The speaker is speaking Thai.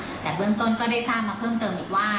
แม่ได้นะคะแต่เบื้องต้นก็ได้ทราบมาเพิ่มเติมอยู่ว่า